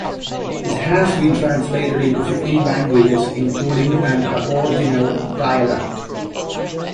It has been translated into fifteen languages including an aboriginal dialect.